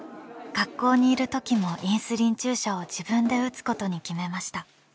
学校にいるときもインスリン注射を自分で打つことに決めました。